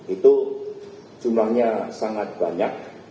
itu jumlahnya sangat banyak